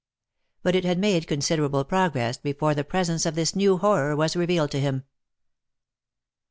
But it had made considerable progress, before the presence of this new horror was revealed to him.